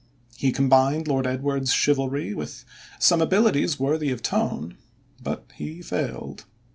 He combined Lord Edward's chivalry with some abilities worthy of Tone, but he failed.